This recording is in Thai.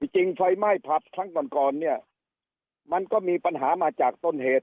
จริงไฟไม่ผับทั้งตอนก่อนเนี่ยมันก็มีปัญหามาจากต้นเหตุ